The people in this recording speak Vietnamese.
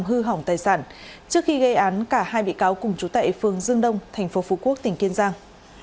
trước khi gây án cả hai bị cáo cùng trú tại phường dương đông thành phố phú quốc tỉnh kiên giang